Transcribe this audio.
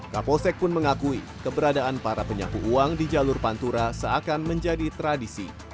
kapolsek pun mengakui keberadaan para penyapu uang di jalur pantura seakan menjadi tradisi